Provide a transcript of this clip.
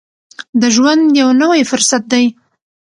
د ژوند یو نوی فرصت دی.